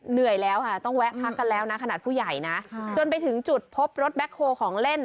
เหนื่อยแล้วค่ะต้องแวะพักกันแล้วนะขนาดผู้ใหญ่นะจนไปถึงจุดพบรถแบ็คโฮของเล่น